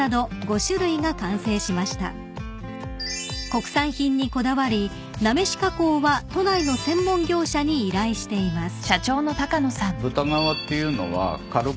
［国産品にこだわりなめし加工は都内の専門業者に依頼しています］